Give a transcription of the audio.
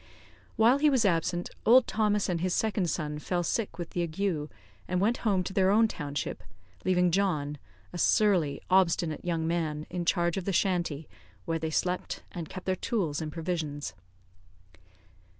While he was absent, old Thomas and his second son fell sick with the ague, and went home to their own township, leaving John, a surly, obstinate young man, in charge of the shanty, where they slept, and kept their tools and provisions.